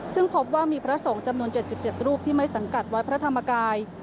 ซึ่งพบว่ามีพระสงฆ์จำนวน๗๗รูปที่ไม่สังกัดวัดพระธรรมกาย